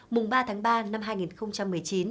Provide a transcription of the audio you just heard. mùng ba tháng ba năm hai nghìn một mươi chín